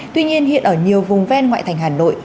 tuy nhiên hiện ở nhiều vùng ven ngoại thành hà nội